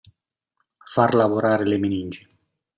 Far lavorare le meningi.